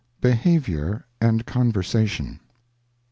BEHAVIOUR and CONFERS ATION.